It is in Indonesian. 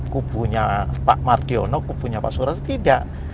kubunya pak mardiono kubunya pak surya tidak